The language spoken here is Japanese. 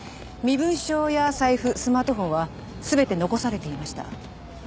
身分証や財布スマートフォンは全て残されていました。